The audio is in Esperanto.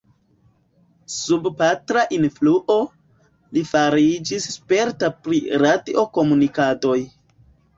Sub patra influo, li fariĝis sperta pri radio-komunikadoj.